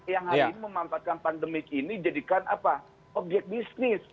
yang hari ini memanfaatkan pandemi ini jadikan objek bisnis